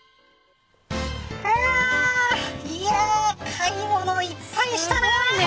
買い物いっぱいしたな。